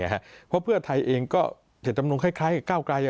เพราะเพื่อไทยเองก็เจตจำนงคล้ายกับก้าวไกล